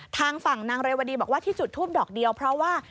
ทางฝั่งนางเรวดีบอกว่าที่จุดทูปดอกเดียวเพราะว่า